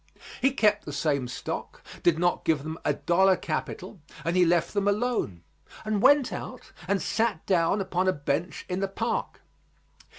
He kept the same stock, did not give them a dollar capital, and he left them alone and went out and sat down upon a bench in the park.